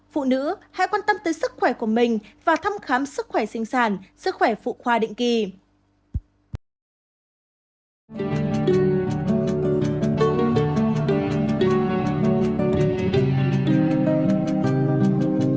phụ nữ hãy quan tâm tới sức khỏe của mình và thăm khám sức khỏe sinh sản sức khỏe phụ khoa định kỳ